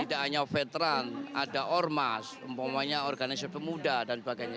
tidak hanya veteran ada ormas umpamanya organisasi pemuda dan sebagainya